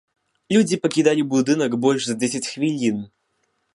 Людзі пакідалі будынак больш за дзесяць хвілін.